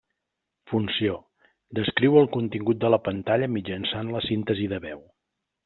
Funció: descriu el contingut de la pantalla mitjançant la síntesi de veu.